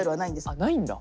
あっないんだ。